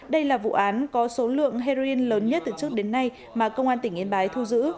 đây là vụ án có số lượng heroin lớn nhất từ trước đến nay mà công an tỉnh yên bái thu giữ